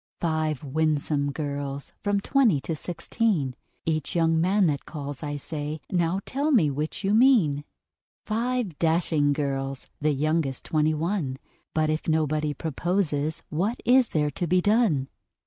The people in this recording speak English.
Five winsome girls, from Twenty to Sixteen: Each young man that calls, I say "Now tell me which you mean!" [Illustration: "NOW TELL ME WHICH YOU MEAN!"] Five dashing girls, the youngest Twenty one: But, if nobody proposes, what is there to be done?